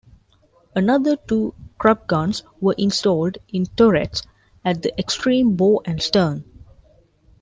Another two Krupp guns were installed in turrets at the extreme bow and stern.